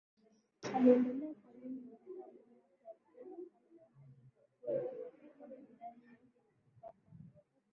aliendelea kuamini katika moyo wake alipendwa sana na hali iliyokuwa ikiwafika majirani haingemfika kamwe